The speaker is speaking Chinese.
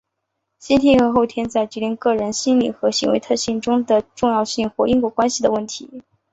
先天与后天在决定个人心理和行为特性中的重要性或因果关系的问题。